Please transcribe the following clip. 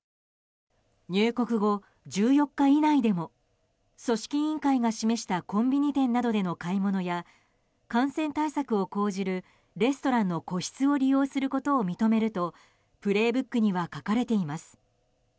入国後１４日以内でも組織委員会が示したコンビニ店などでの買い物や感染対策を講じるレストランの個室を利用することを認めると、「プレイブック」には書かれています。